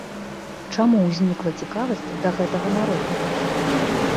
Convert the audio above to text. Чаму ўзнікла цікавасць да гэтага народу?